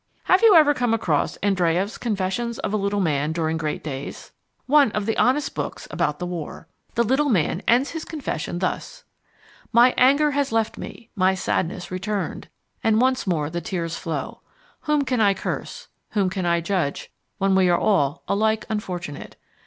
Have you ever come across Andreyev's Confessions of a Little Man During Great Days? One of the honest books of the War. The Little Man ends his confession thus My anger has left me, my sadness returned, and once more the tears flow. Whom can I curse, whom can I judge, when we are all alike unfortunate?